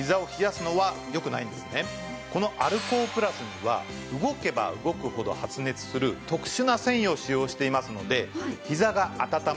このアルコープラスには動けば動くほど発熱する特殊な繊維を使用していますのでひざが温まり